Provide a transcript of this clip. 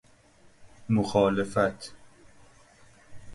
مخالفت